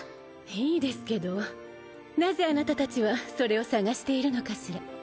いいですけどなぜあなたたちはそれを捜しているのかしら？